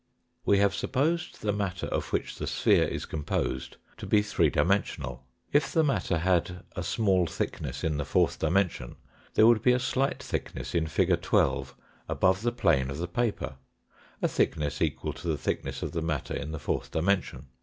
We have supposed the matter of which the sphere is composed to be three dimensional. If the matter had a small thickness in the fourth dimension, there would be a slight thickness in fig. 12 above the plane of the paper a thickness equal to the thickness of the matter in the fourth dimension.